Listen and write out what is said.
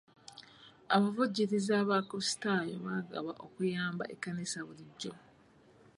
Abavvujjirizi abakulisitaayo bagaba okuyamba ekkanisa bulijjo.